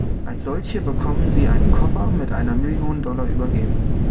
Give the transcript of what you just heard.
Als solche bekommen sie einen Koffer mit einer Million Dollar übergeben.